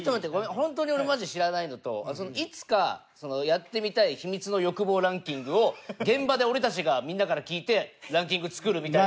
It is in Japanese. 本当に俺マジで知らないのといつかやってみたいヒミツの欲望ランキングを現場で俺たちがみんなから聞いてランキング作るみたいな。